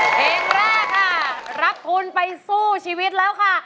เพลงแรกค่ะรับทุนไปสู้ชีวิตแล้วค่ะ